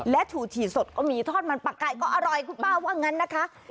ถูถี่สดก็มีทอดมันปากไก่ก็อร่อยคุณป้าว่างั้นนะคะ